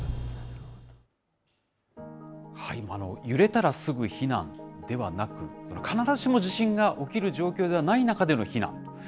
揺れたらすぐ避難ではなく、必ずしも地震が起きる状況ではない中での避難。